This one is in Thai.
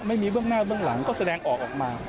เบื้องหน้าเบื้องหลังก็แสดงออกออกมา